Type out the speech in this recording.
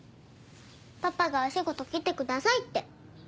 パパがお仕事来てくださいって。